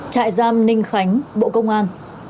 trại giam ninh khánh bộ công an